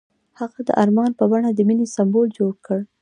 هغه د آرمان په بڼه د مینې سمبول جوړ کړ.